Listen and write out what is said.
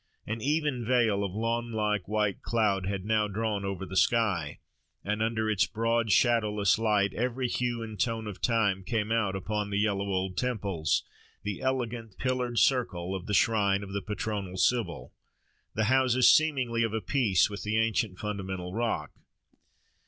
An even veil of lawn like white cloud had now drawn over the sky; and under its broad, shadowless light every hue and tone of time came out upon the yellow old temples, the elegant pillared circle of the shrine of the patronal Sibyl, the houses seemingly of a piece with the ancient fundamental rock.